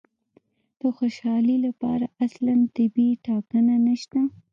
د خوشالي لپاره اصلاً طبیعي ټاکنه نشته.